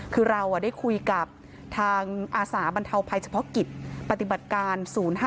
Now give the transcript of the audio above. คือเราได้คุยกับทางอาสาบรรเทาภัยเฉพาะกิจปฏิบัติการ๐๕